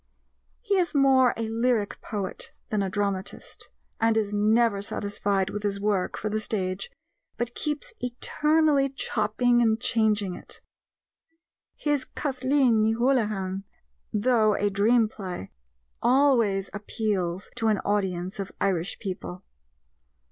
He is more a lyric poet than a dramatist, and is never satisfied with his work for the stage, but keeps eternally chopping and changing it. His Kathleen Ni Houlihan, though a dream play, always appeals to an audience of Irish people.